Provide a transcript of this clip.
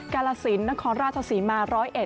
กาลสินนครราชศรีมาร์ร้อยเอ็ด